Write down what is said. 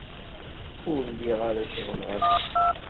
Ur lliɣ ara ceɣleɣ ass-a.